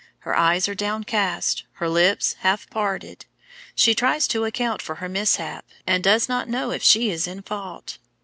Her eyes are downcast, her lips half parted; she tries to account for her mishap, and does not know if she is in fault.